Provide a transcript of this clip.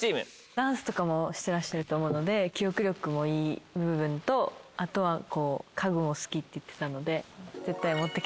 ダンスとかもしてらっしゃると思うので記憶力もいい部分とあとは家具を好きって言ってたので。